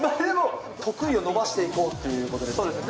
得意を伸ばしていこうというそうですね。